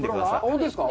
本当ですか。